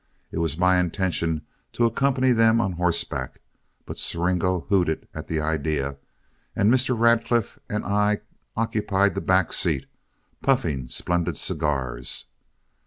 It was my intention to accompany them on horseback, but Siringo hooted at the idea, and Mr. Radcliff and I occupied the back seat, puffing splendid cigars.